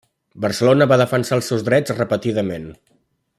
Barcelona va defensar els seus drets repetidament.